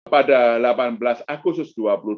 pada delapan belas agustus dua ribu dua puluh